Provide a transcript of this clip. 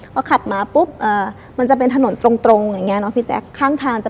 แล้วก็ขับมาปุ๊บมันจะเป็นถนนตรง